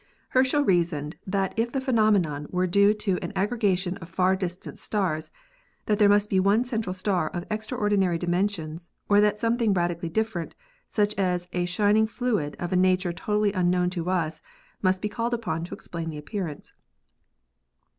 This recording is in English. Her schel reasoned that if the phenomenon were due to an aggregation of far distant stars that there must be one central star of extraordinary dimensions or that something radically different, such as "a shining fluid of a nature totally unknown to us," must be called upon to explain the appearance.